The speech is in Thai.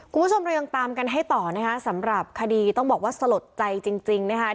คุณผู้ชมเรายังตามกันให้ต่อนะคะสำหรับคดีต้องบอกว่าสลดใจจริงนะคะ